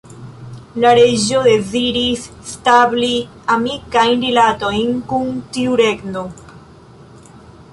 La reĝo deziris establi amikajn rilatojn kun tiu regno.